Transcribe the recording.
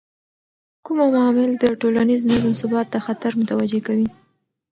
کوم عوامل د ټولنیز نظم ثبات ته خطر متوجه کوي؟